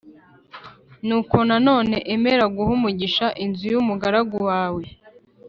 Nuko none emera guha umugisha inzu y’umugaragu wawe